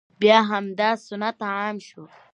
بیا همدا سنت عام شو،